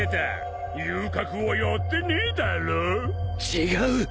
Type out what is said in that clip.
違う！